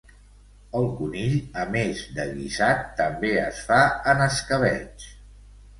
El conill, a més de guisat, també es fa en escabetx